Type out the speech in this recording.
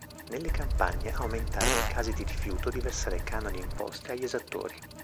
Nelle campagne aumentarono i casi di rifiuto di versare canoni e imposte agli esattori.